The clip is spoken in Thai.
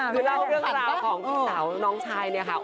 คือเล่าเรื่องราวของพี่สาวน้องชายเนี่ยค่ะ